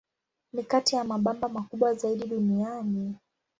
Ni kati ya mabamba makubwa zaidi duniani.